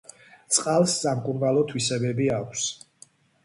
წყალს სამკურნალო თვისებები აქვს.